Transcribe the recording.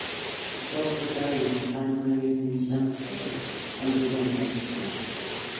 Both are buried in Panama Union cemetery under one headstone.